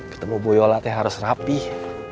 ketemu bu yola harus rapih